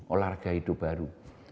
olahraga hidup baru